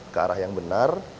ke arah yang benar